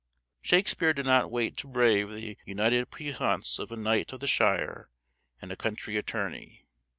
Shakespeare did not wait to brave the united puissance of a knight of the shire and a country attorney.